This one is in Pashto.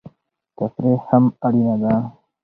تفریح هم اړینه ده.